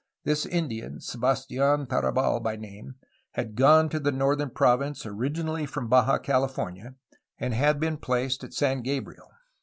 This Indian, Sebastian Tarabal by name, had gone to the northern province originally from Baja California, and had been placed at San Gabriel.